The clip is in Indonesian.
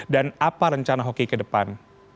dan apa rencana hoki ke depan